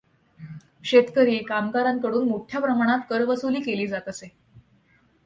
शेतकरी, कामगारांकडून मोठ्या प्रमाणात करवसुली केली जात असे.